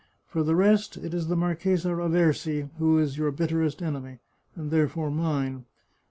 For the rest, it is the Marchesa Raversi who is your bitterest enemy, and therefore mine.